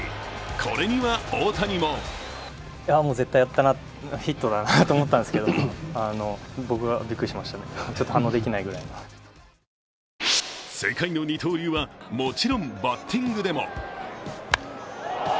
これには大谷も世界の二刀流は、もちろんバッティングでも。